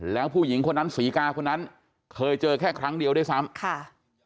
แล้วผู้หญิงคนนั้นศรีกาคนนั้นเคยเจอแค่ครั้งเดียวด้วยซ้ำค่ะ